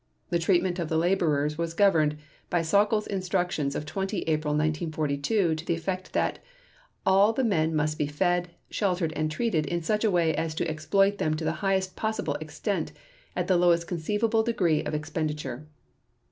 The treatment of the laborers was governed, by Sauckel's instructions of 20 April 1942 to the effect that: "All the men must be fed, sheltered and treated in such a way as to exploit them to the highest possible extent, at the lowest conceivable degree of expenditure."